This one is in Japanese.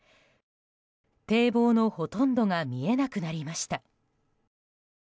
堤防のほとんどが見えなくなりました。